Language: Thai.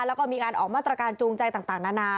แล้วก็มีการออกมาตรการจูงใจต่างนานา